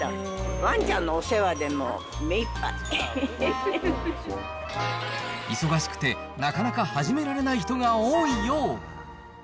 ワンちゃんのお世話でもう忙しくて、なかなか始められない人が多いよう。